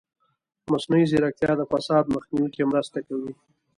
مصنوعي ځیرکتیا د فساد مخنیوي کې مرسته کوي.